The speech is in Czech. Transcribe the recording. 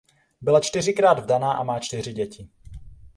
Byla čtyřikrát vdaná a má čtyři děti.